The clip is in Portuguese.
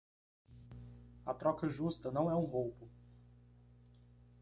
A troca justa não é um roubo.